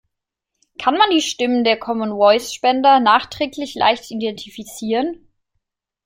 Kann man die Stimmen der Common Voice Spender nachträglich leicht identifizieren?